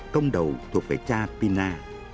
công đầu thuộc về cha pina